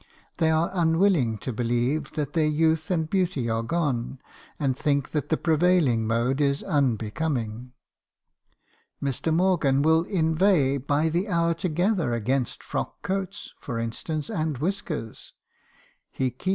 They are unwilling to believe that their youth and beauty are gone , and think that the prevailing mode is unbecoming. Mr. Morgan will inveigh by the hour together against frock coats, for instance, and whiskers. He keeps Lizzie Leigh.